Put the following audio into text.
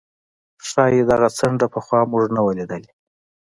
ښايي دغه څنډه پخوا موږ نه وه لیدلې.